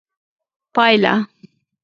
پایله: